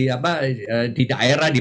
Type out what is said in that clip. apa di daerah di